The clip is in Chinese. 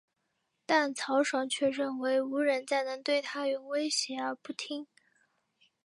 但曹爽却以为无人再能对他有威胁而不听。